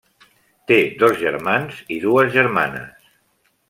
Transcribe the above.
Té dos germans i dues germanes.